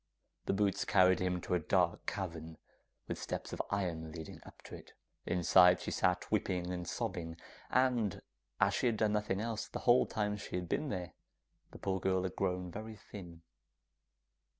The boots carried him to a dark cavern, with steps of iron leading up to it. Inside she sat, weeping and sobbing, and as she had done nothing else the whole time she had been there, the poor girl had grown very thin.